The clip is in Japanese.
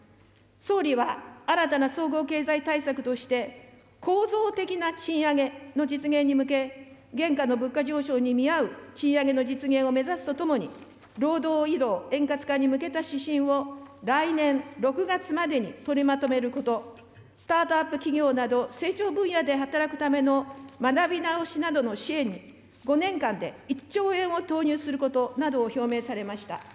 総理は新たな総合経済対策として、構造的な賃上げの実現に向け、現下の物価上昇に見合う賃上げの実現を目指すとともに、労働移動円滑化に向けた指針を、来年６月までに取りまとめること、スタートアップ企業など、成長分野で働くための学び直しなどの支援に５年間で１兆円を投入することなどを表明されました。